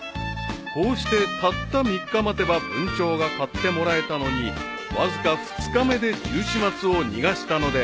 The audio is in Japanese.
［こうしてたった３日待てばブンチョウが買ってもらえたのにわずか２日目でジュウシマツを逃がしたのであった］